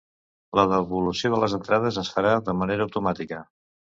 La devolució de les entrades es farà de manera automàtica.